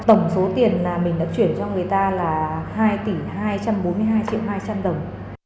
tổng số tiền mà mình đã chuyển cho người ta là hai tỷ hai trăm bốn mươi hai triệu hai trăm linh đồng